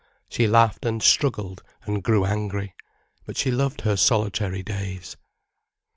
She laughed and struggled and grew angry. But she loved her solitary days.